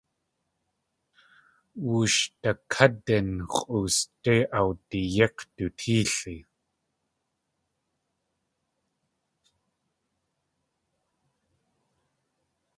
Wooshdakádin x̲ʼusdé awdiyík̲ du téeli.